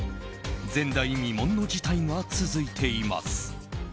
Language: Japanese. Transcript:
前代未聞の事態が続いています。